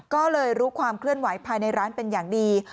ก็เลยรู้ความเคลื่อนไหวภายในร้านเป็นอย่างดี